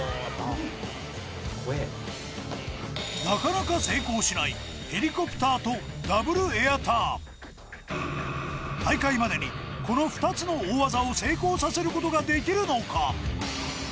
なかなか成功しないヘリコプターとダブルエアターン大会までにこの２つの大技を成功させることができるのか？